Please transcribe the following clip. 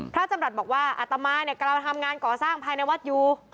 พระจำรัฐบอกว่าอัตมาเนี่ยกำลังทำงานก่อสร้างภายในวัดอยู่